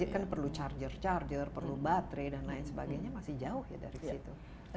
kan perlu charger charger perlu baterai dan lain sebagainya masih jauh ya dari situ